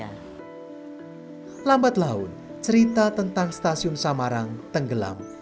iraniannya juga cerita tentang stasiun samarang tenggelam